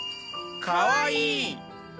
かわいい！